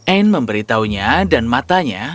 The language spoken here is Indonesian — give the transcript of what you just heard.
anne memberitahunya dan matanya